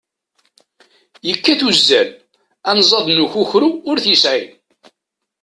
Yekkat uzzal, anẓad n ukukru ur t-yesɛi.